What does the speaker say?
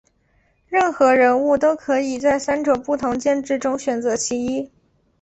任何人物都可以在三种不同剑质中选择其一。